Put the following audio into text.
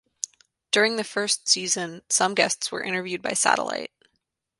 During the first season, some guests were interviewed by satellite.